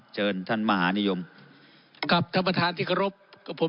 ครับครับครับครับครับครับครับครับครับครับครับครับครับครับครับ